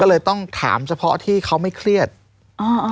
ก็เลยต้องถามเฉพาะที่เขาไม่เครียดก็เลยต้องถามเพราะที่เค้าไม่เครียด